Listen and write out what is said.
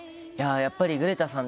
やっぱりグレタさん